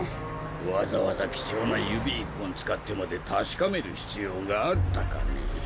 わざわざ貴重な指１本使ってまで確かめる必要があったかね？